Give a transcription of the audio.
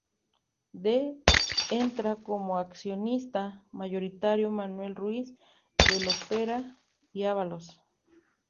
D, entra como accionista mayoritario Manuel Ruiz de Lopera y Ávalos.